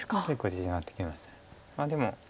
でも。